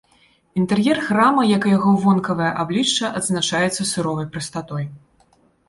Інтэр'ер храма, як і яго вонкавае аблічча, адзначаецца суровай прастатой.